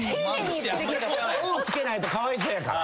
「お」を付けないとかわいそうやから。